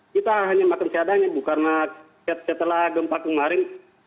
kita hanya makan seadanya bu karena setelah gempa kemarin